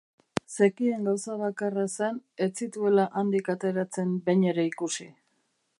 Zekien gauza bakarra zen ez zituela handik ateratzen behin ere ikusi.